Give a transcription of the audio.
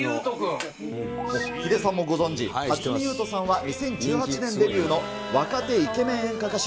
ヒデさんもご存じ、辰巳ゆうとさんは、２０１８年デビューの若手イケメン演歌歌手。